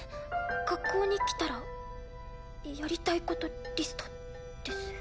「学校に来たらやりたいことリスト」です。